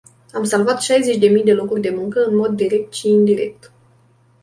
Am salvat șaizeci de mii de locuri de muncă, în mod direct și indirect.